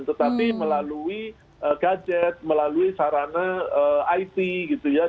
tetapi melalui gadget melalui sarana it gitu ya